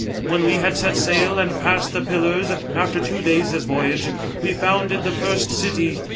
"When we had set sail and passed the pillars, after two days' voyage, we founded the first city.